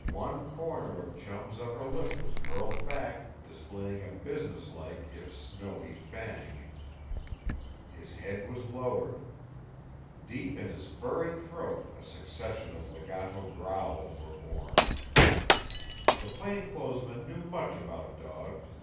One corner of Chum's upper lip was curled back, displaying a businesslike if snowy fang. His head was lowered. Deep in his furry throat a succession of legato growls were born. The plain clothes man knew much about dogs.